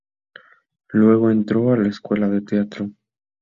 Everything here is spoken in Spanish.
Luego entró a la escuela de teatro.